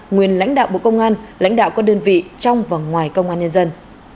nguyên lãnh đạo bộ công an lãnh đạo các đơn vị trong và ngoài công an nhân dân